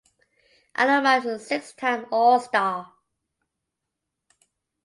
Alomar is a six-time All-Star.